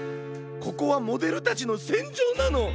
ここはモデルたちのせんじょうなの！